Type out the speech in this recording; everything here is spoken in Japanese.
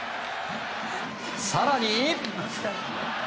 更に。